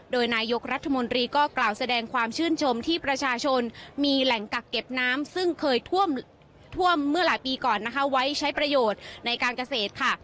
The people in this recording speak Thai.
โดยนายกรัฐมนตรีก็กล่าวแสดงความชื่นชมที่ประชาชนมีแหล่งกักเก็บน้ำซึ่งเคยท่วมเมื่อหลายปีก่อนนะคะไว้ใช้ประโยชน์ในการเกษตรค่ะ